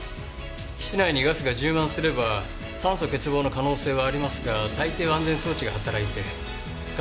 室内にガスが充満すれば酸素欠乏の可能性はありますが大抵は安全装置が働いてガスは止まります。